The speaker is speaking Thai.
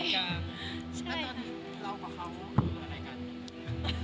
แล้วตอนนี้เรากับเขาคืออะไรกัน